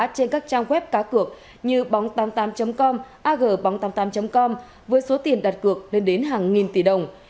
trên các trang web cá cược như bóng tám mươi tám com ag bóng tám mươi tám com với số tiền đặt cược lên đến hàng nghìn tỷ đồng